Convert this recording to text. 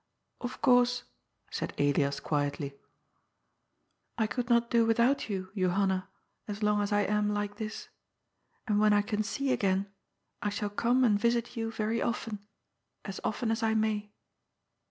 " Of course," said Elias quietly, " I could not do without you, Johanna, as long as I am like this. And when I can see again, I shall come and visit you very often, as often as I may."